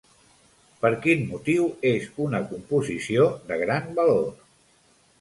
Per quin motiu és una composició de gran valor?